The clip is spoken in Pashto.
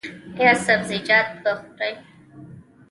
ایا سبزیجات به خورئ؟